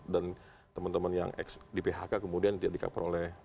dan teman teman yang di phk kemudian tidak dikaper oleh